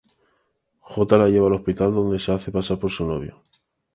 Jota la lleva al hospital donde se hace pasar por su novio.